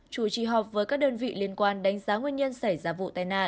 chủ trì họp với các đơn vị liên quan đánh giá nguyên nhân xảy ra vụ tai nạn